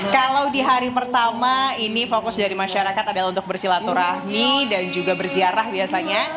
kalau di hari pertama ini fokus dari masyarakat adalah untuk bersilaturahmi dan juga berziarah biasanya